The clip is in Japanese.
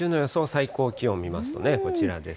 最高気温見ますとね、こちらです。